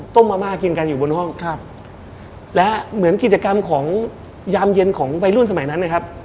มาม่ากินกันอยู่บนห้องครับและเหมือนกิจกรรมของยามเย็นของวัยรุ่นสมัยนั้นนะครับ